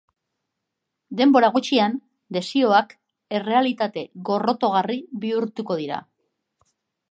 Denbora gutxian desioak errealitate gorrotogarri bihurtuko dira.